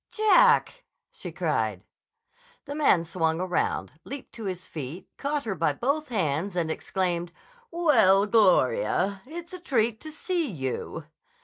"Jack!" she cried. The man swung around, leaped to his feet, caught her by both hands, and exclaimed: "Well, Gloria! It's a treat to see you."